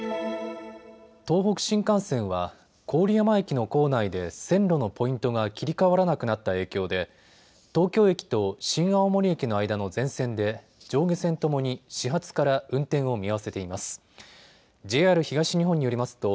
東北新幹線は郡山駅の構内で線路のポイントが切り替わらなくなった影響で東京駅と新青森駅の間の全線で上下線ともに始発から運転を見合わせています。